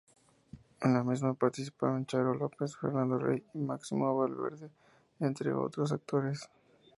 En la misma participaron Charo López, Fernando Rey y Máximo Valverde, entre otros actores.